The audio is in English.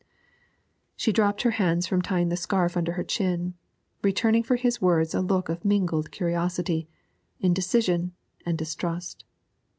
She dropped her hands from tying the scarf under her chin, returning for his words a look of mingled curiosity, indecision, and distrust.